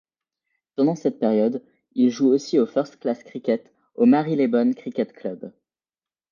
Pendant cette période il joue aussi au first-class cricket avec le Marylebone Cricket Club.